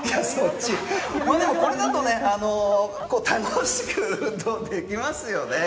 これだと楽しく運動できますよね。